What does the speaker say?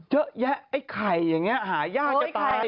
เยอะแยะไอ้ไข่อย่างนี้หายากจะตาย